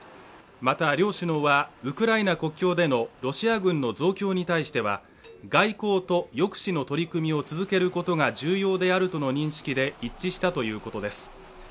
また両首脳はウクライナ国境でのロシア軍の増強に対しては、外交と抑止の取り組みを続けることが重要であるとの認識で一致したということです。